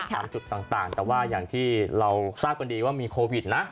ตามจุดต่างแต่ว่าอย่างที่เราทราบกันดีว่ามีโควิดนะ